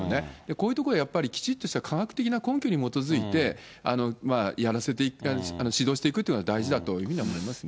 こういうところはやっぱりきちっとした科学的な根拠に基づいて、やらせて、指導していくというのが大事だというふうに思いますね。